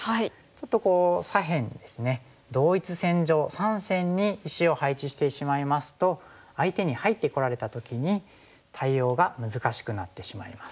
ちょっと左辺ですね同一線上３線に石を配置してしまいますと相手に入ってこられた時に対応が難しくなってしまいます。